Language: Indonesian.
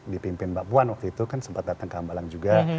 dipimpin mbak puan waktu itu kan sempat datang ke hambalang juga